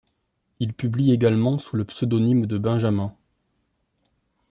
Il publie également sous le pseudonyme de Benjamin.